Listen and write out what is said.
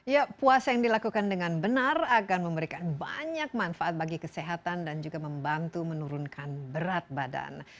ya puasa yang dilakukan dengan benar akan memberikan banyak manfaat bagi kesehatan dan juga membantu menurunkan berat badan